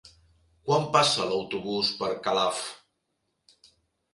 Quan passa l'autobús per Calaf?